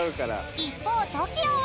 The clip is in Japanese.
［一方ＴＯＫＩＯは］